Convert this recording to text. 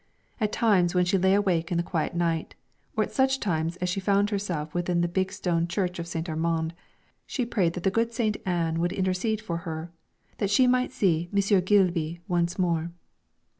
At times when she lay awake in the quiet night, or at such times as she found herself within the big stone church of St. Armand, she prayed that the good St. Anne would intercede for her, that she might see 'Monsieur Geelby' once more.